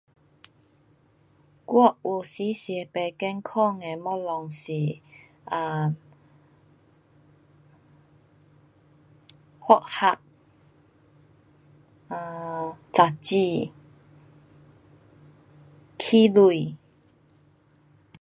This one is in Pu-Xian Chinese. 我有时吃不健康的东西是 um hot tart，炸鸡，汽水。